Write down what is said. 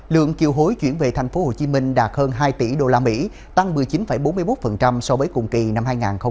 lượng kiều hối chuyển về tp hcm đạt hơn hai tỷ usd tăng một mươi chín bốn mươi một so với cùng kỳ năm hai nghìn hai mươi ba